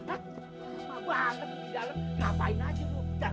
apa banget lu di dalem ngapain aja lu